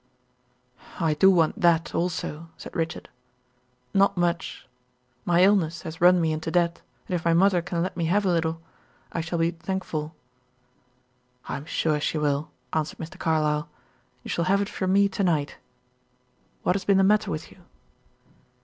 "I do want that, also," said Richard. "Not much. My illness has run me into debt, and if my mother can let me have a little, I shall be thankful." "I am sure she will," answered Mr. Carlyle. "You shall have it from me to night. What has been the matter with you?"